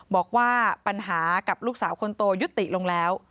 บอกว่าปัญหากับลูกสาวคนโตยุติลงแล้ว